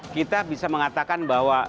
kita bisa mengatakan bahwa